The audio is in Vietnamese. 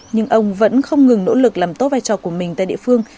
nhưng ông vẫn không ngừng nỗ lực làm tốt vai trò của mình tại địa phương